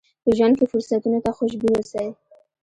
په ژوند کې فرصتونو ته خوشبين اوسئ.